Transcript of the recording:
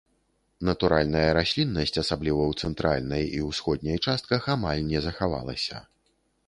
Натуральная расліннасць, асабліва ў цэнтральнай і ўсходняй частках, амаль не захавалася.